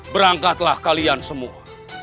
berangkatlah kalian semua